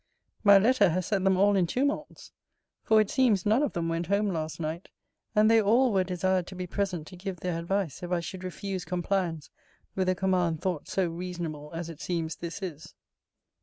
My letter has set them all in tumults: for, it seems, none of them went home last night; and they all were desired to be present to give their advice, if I should refuse compliance with a command thought so reasonable as it seems this is.